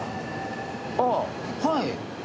ああはい。